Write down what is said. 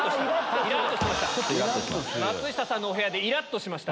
松下さんのお部屋でイラっとしました。